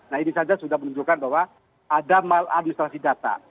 nah ini saja sudah menunjukkan bahwa ada maladministrasi data